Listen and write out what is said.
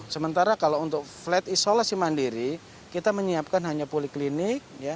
sementara kalau untuk flat isolasi mandiri kita menyiapkan hanya poliklinik